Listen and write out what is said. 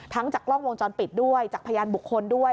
จากกล้องวงจรปิดด้วยจากพยานบุคคลด้วย